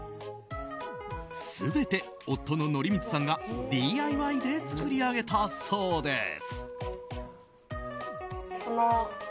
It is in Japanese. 全て、夫の規允さんがＤＩＹで作り上げたそうです。